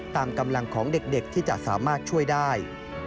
ตามกำลังของเด็กที่จะสามารถช่วยได้